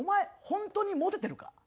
本当にモテてるか？